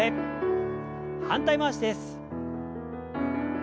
反対回しです。